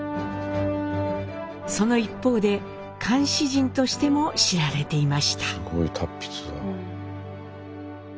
その一方で漢詩人としても知られていました。